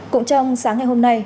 cũng trong sáng ngày hôm nay